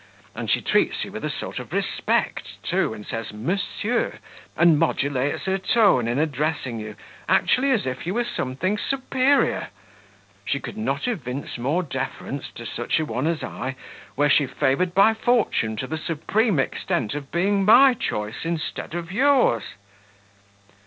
And she treats you with a sort of respect, too, and says, 'Monsieur' and modulates her tone in addressing you, actually, as if you were something superior! She could not evince more deference to such a one as I, were she favoured by fortune to the supreme extent of being my choice instead of yours."